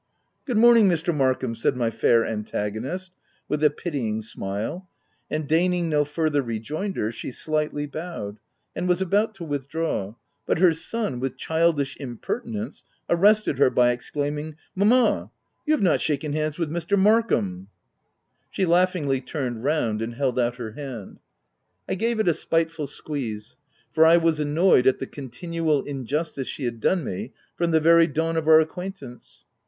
" Good morning, Mr. Markham/' said my fair antagonist with a pitying smile ; and deign ing no further rejoinder, she slightly bowed, and was about to withdraw ; but her son, with childish impertinence, arrested her by exclaming, " Mamma, you have not shaken hands with Mr. Markham P She laughingly turned round, and held out her hand. I gave it a spiteful squeeze ; for I was annoyed at the continual injustice she had done me from the very dawn of our acquaint ance.